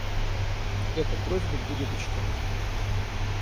Эта просьба будет учтена.